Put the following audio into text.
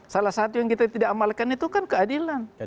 salah satu yang kita tidak amalkan itu kan keadilan